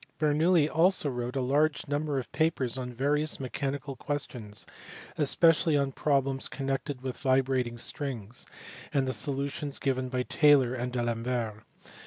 Bernoulli also wrote a large number of papers on various mechanical ques tions, especially on problems connected with vibrating strings, and the solutions given by Taylor and by D Alembert.